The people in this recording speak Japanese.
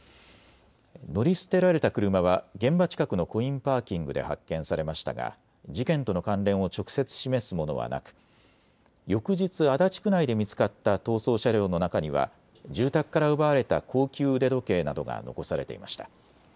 乗り捨てられた車は現場近くのコインパーキングで発見されましたが事件との関連を直接示すものはなく翌日、足立区内で見つかった逃走車両の中には住宅から奪われた高級腕時計などが残されていました。